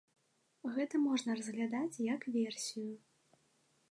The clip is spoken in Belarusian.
Гэта можна разглядаць, як версію.